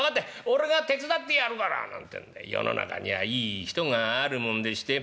俺が手伝ってやるから」なんてんで世の中にはいい人があるもんでして。